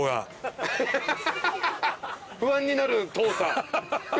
不安になる遠さ。